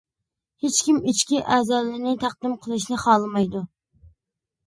ھېچكىم ئىچكى ئەزالىرىنى تەقدىم قىلىشنى خالىمايدۇ.